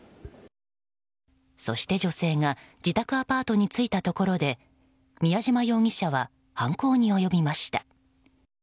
そして、女性が自宅アパートに着いたところで宮嶋容疑者は犯行に及びました。